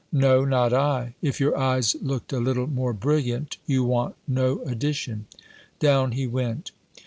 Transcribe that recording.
"No, not I. If your eyes looked a little more brilliant, you want no addition." Down he went.